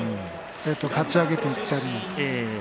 かち上げていったり。